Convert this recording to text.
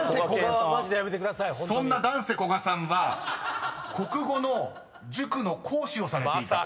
［そんなＤＡＮＳＥこがさんは国語の塾の講師をされていた？］